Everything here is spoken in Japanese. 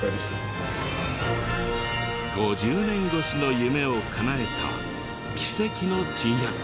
５０年越しの夢をかなえた奇跡の珍百景だった。